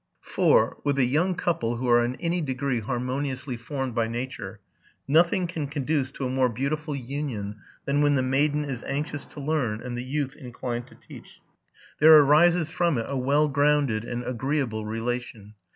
For, with a young couple who are in any degree harmo niously formed by nature, nothing can conduce to a more beautiful union than when the maiden is anxious to learn, and the youth inclined to teach. There arises from it a well grounded and agreeable relation.